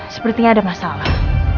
sepertinya ada masalah